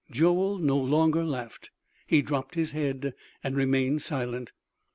Joel no longer laughed; he dropped his head and remained silent.